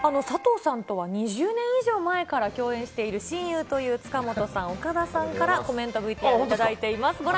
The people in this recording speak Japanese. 佐藤さんとは２０年以上前から共演している、親友という塚本さん、岡田さんから、コメントＶＴＲ頂いています。